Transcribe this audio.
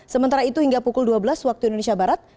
sementara itu hingga pukul dua belas waktu indonesia barat